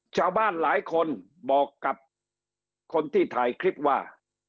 ชาวบ้านหลายคนบอกกับคนที่ถ่ายคลิปว่า